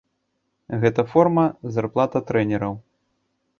Гэта форма, зарплата трэнераў.